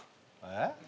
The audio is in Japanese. えっ？